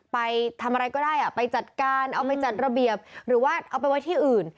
ไปทำอะไรก็ได้ไปจัดการเอาไปจัดระเบียบหรือว่าเอาไปไว้ที่อื่น